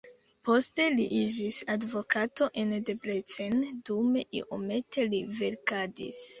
Poste li iĝis advokato en Debrecen, dume iomete li verkadis.